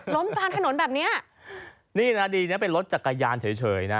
กลางถนนแบบเนี้ยนี่นะดีนะเป็นรถจักรยานเฉยเฉยนะ